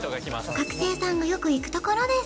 学生さんがよく行くところです